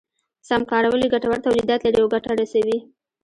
سم کارول يې ګټور توليدات لري او ګټه رسوي.